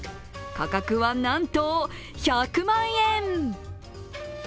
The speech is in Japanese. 価格は、なんと１００万円！